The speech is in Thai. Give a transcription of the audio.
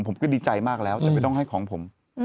ผมก็ดีใจมากแล้วแต่ไม่ต้องให้ของผม